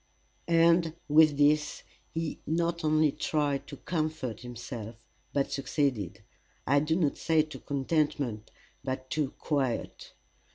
And with this he not only tried to comfort himself, but succeeded I do not say to contentment, but to quiet.